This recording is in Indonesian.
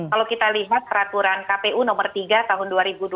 kalau kita lihat peraturan kpu nomor tiga tahun dua ribu dua puluh